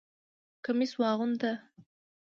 کمیس واغونده!